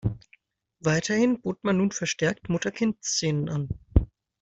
Weiterhin bot man nun verstärkt Mutter-Kind-Szenen an.